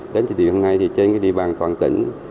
đến thời điểm hôm nay thì trên địa bàn toàn tỉnh